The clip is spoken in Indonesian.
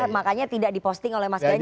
makanya tidak diposting oleh mas ganjar